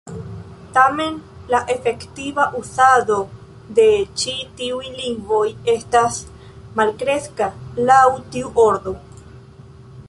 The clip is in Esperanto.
Tamen, la efektiva uzado de ĉi tiuj lingvoj estas malkreska laŭ tiu ordo.